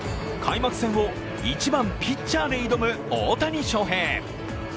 開幕戦を１番・ピッチャーで挑む大谷翔平。